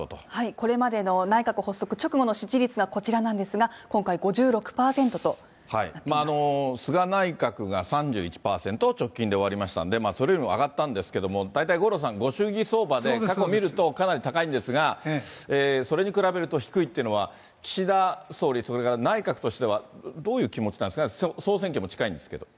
これまでの内閣発足直後の支持率がこちらなんですが、今回５菅内閣が３１％、直近ではありましたので、それよりも上がったんですけれども、大体五郎さん、ご祝儀相場で過去見ると、かなり高いんですが、それに比べると低いってのは、岸田総理、それから内閣としてはどういう気持ちなんですか、総選挙も近いんですけど。